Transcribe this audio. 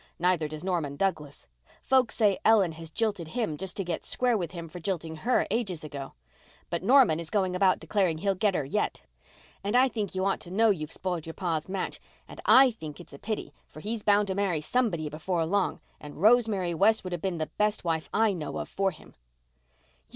Neither does Norman Douglas. Folks say Ellen has jilted him just to get square with him for jilting her ages ago. But Norman is going about declaring he'll get her yet. And I think you ought to know you've spoiled your pa's match and I think it's a pity, for he's bound to marry somebody before long, and Rosemary West would have been the best wife I know of for him."